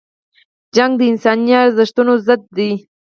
جګړه د انساني ارزښتونو ضد ده